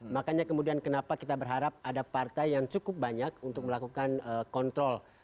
makanya kemudian kenapa kita berharap ada partai yang cukup banyak untuk melakukan kontrol